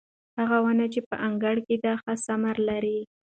هغه ونه چې په انګړ کې ده ښه ثمر لري.